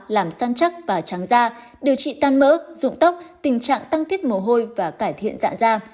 làm săn chắc và trắng da điều trị tan mỡ dụng tóc tình trạng tăng thiết mồ hôi và cải thiện dạng da